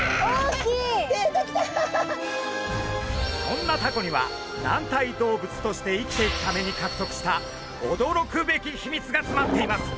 そんなタコには軟体動物として生きていくためにかくとくした驚くべき秘密がつまっています。